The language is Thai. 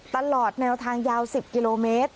ตลอดแนวทางยาว๑๐กิโลเมตร